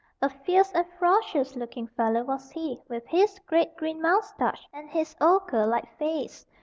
A fierce and ferocious looking fellow was he, with his great green mustache and his ogre like face.